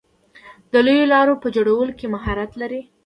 دوی د لویو لارو په جوړولو کې مهارت لري.